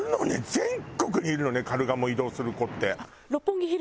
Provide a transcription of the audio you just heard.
全国にいるのねカルガモ移動する子って。